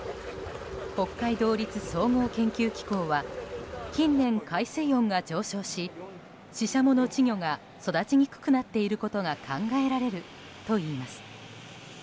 北海道立総合研究機構は近年、海水温が上昇しシシャモの稚魚が育ちにくくなっていることが考えられるといいます。